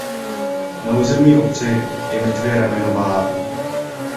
Na území obce je mrtvé rameno Váhu.